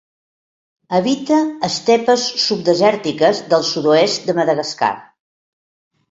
Habita estepes subdesèrtiques del sud-oest de Madagascar.